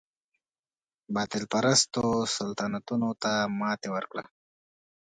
باطل پرستو سلطنتونو ته ماتې ورکړه.